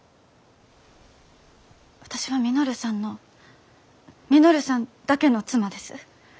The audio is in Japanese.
私は稔さんの稔さんだけの妻です。